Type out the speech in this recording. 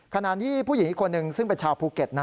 ขณะที่ผู้หญิงอีกคนหนึ่งซึ่งเป็นชาวภูเก็ตนะ